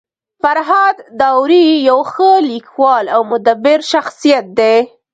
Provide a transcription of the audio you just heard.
فرهاد داوري يو ښه لیکوال او مدبر شخصيت دی.